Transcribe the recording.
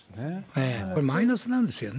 これ、マイナスなんですよね。